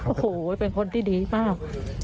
โอ้โหเป็นคนที่ดีมาก